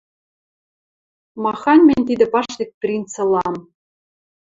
Махань мӹнь тидӹ паштек принц ылам...»